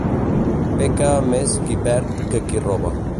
Peca més qui perd que qui roba.